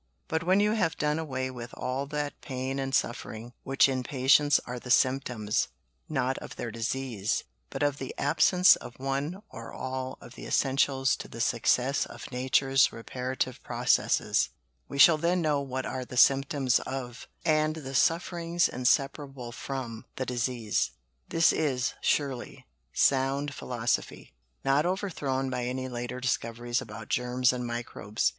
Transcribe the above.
But when you have done away with all that pain and suffering, which in patients are the symptoms, not of their disease, but of the absence of one or all of the essentials to the success of Nature's reparative processes, we shall then know what are the symptoms of, and the sufferings inseparable from, the disease." This is, surely, sound philosophy; not overthrown by any later discoveries about germs and microbes.